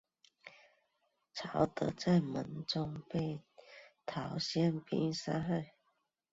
曹德在门中被陶谦兵杀害。